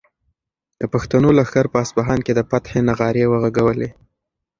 د پښتنو لښکر په اصفهان کې د فتحې نغارې وغږولې.